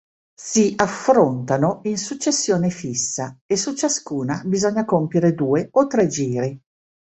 Si affrontano in successione fissa e su ciascuna bisogna compiere due o tre giri.